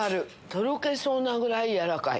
とろけそうなぐらい軟らかい。